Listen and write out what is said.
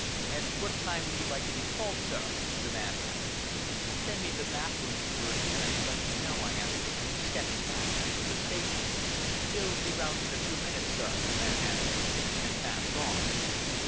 "At what time would you like to be called, sir?" the man asked. "Send me the bath room steward, and I will let you know," I answered, stepping back into the state room. "He'll be round in a few minutes, sir," the man answered, and passed on.